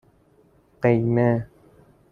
قیمه